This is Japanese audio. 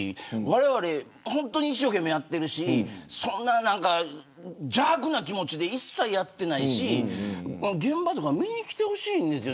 われわれ本当に一生懸命やっているし邪悪な気持ちで一切やってないし現場とか見に来てほしいんです。